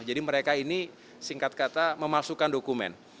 jadi mereka ini singkat kata memalsukan dokumen